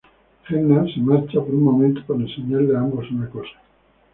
Jenna se marcha por un momento para enseñarle a ambos una cosa.